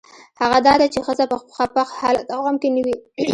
هغه دا دی چې ښځه په خپه حالت او غم کې نه وي.